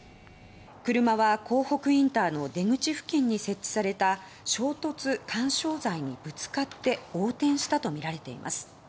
車は、港北インターの出口付近に設置された衝突緩衝材にぶつかって横転したとみられています。